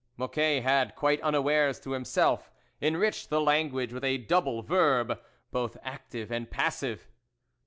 Mocquet had, quite unawares to him self, enriched the language with a double verb, both active and passive.